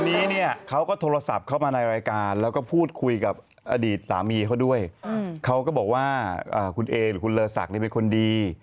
วันนี้เนี่ยเขาก็โทรศัพท์เข้ามาในรายการแล้วก็พูดคุยกับอดีตสามีเขาด้วยเขาก็บอกว่าคุณเอหรือคุณเลอศักดิ์เป็นคนดี